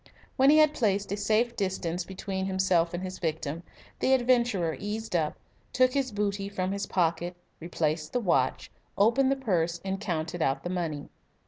When he had placed a safe distance between himself and his victim, the adventurer eased up, took his booty from his pocket, replaced the watch, opened the purse, and counted out the money.